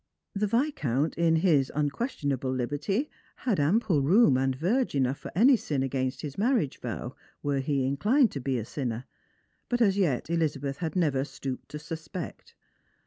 The Yiscount, in his unquestionable liberty, had ample room and verge enough for any sin against his marriage vow were he inclined to be a sinner, but as yet Elizabeth had never stooped to suspect.